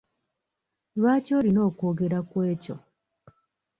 Lwaki olina okwogera ku ekyo?